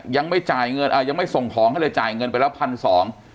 ยังไม่จ่ายเงินอ่ายังไม่ส่งของให้เลยจ่ายเงินไปแล้วพันสอง